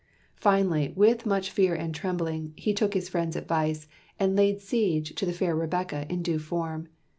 Finally, with much fear and trembling, he took his friend's advice, and laid siege to the fair Rebecca in due form.